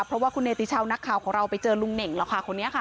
เพราะว่าคุณเนติชาวนักข่าวของเราไปเจอลุงเน่งแล้วค่ะคนนี้ค่ะ